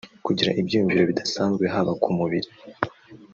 kugira ibyiyumviro bidasanzwe haba ku mubiri